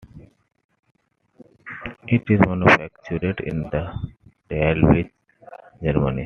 It is manufactured in Dahlewitz, Germany.